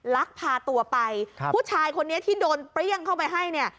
ลักพาตัวไปครับผู้ชายคนนี้ที่โดนเปรี้ยงเข้าไปให้เนี่ย